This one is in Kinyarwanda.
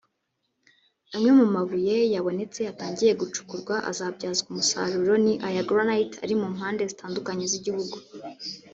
Amwe mabuye yabonetse yatangiye gucukurwa azabyazwa umusaruro ni aya granite ari imu mpande zitandukanye z’igihugu